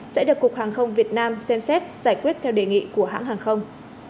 sẽ được cục hàng không việt nam xem xét giải quyết theo đề nghị của hãng hàng không